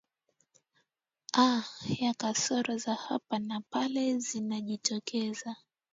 a ya kasoro za hapa na pale zinazojitokeza